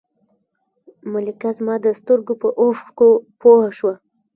ملکه زما د سترګو په اوښکو پوه شوه.